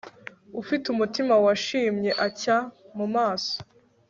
ufite umutima wishimye, acya mu maso